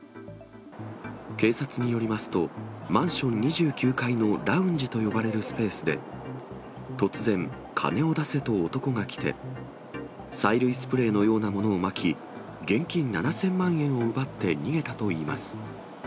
警察によりますと、マンション２９階のラウンジと呼ばれるスペースで、突然、金を出せと男が来て、催涙スプレーのようなものをまき、現金７０００万円を奪って逃げたといいます。